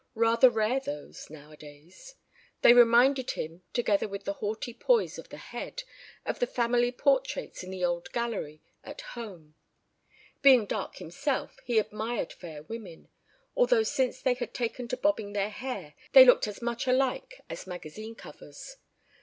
Rather rare those, nowadays. They reminded him, together with the haughty poise of the head, of the family portraits in the old gallery at home. Being dark himself, he admired fair women, although since they had taken to bobbing their hair they looked as much alike as magazine covers.